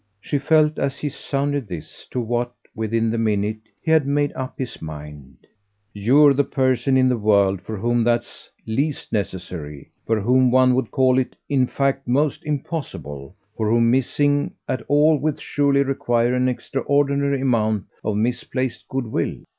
She felt, as he sounded this, to what, within the minute, he had made up his mind. "You're the person in the world for whom that's least necessary; for whom one would call it in fact most impossible; for whom 'missing' at all will surely require an extraordinary amount of misplaced good will.